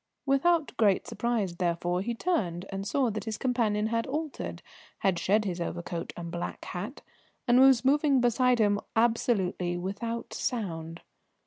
Without great surprise, therefore, he turned and saw that his companion had altered, had shed his overcoat and black hat, and was moving beside him absolutely without sound.